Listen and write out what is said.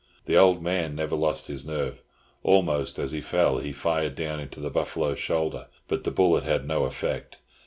The old man never lost his nerve. Almost as he fell he fired down into the buffalo's shoulder, but the bullet had no effect.